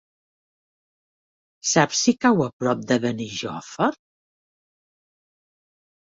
Saps si cau a prop de Benijòfar?